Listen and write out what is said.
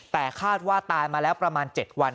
แต่คาดว่าตายมาแล้วประมาณ๗วัน